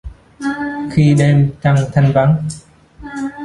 Khi đêm trăng thanh vắng.